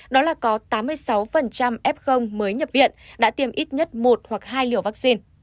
đó là có tám mươi sáu f mới nhập viện đã tiêm ít nhất một hoặc hai liều vaccine